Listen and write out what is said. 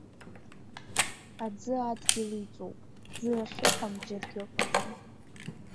Аӡы адгьыл иҵоуп, ӡы ахьыҟам џьаргьы ыҟаӡам.